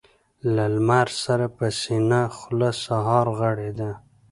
له لمر سره په سپينه خــــوله سهار غــــــــږېده